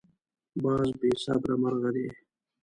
باز بې صبره مرغه دی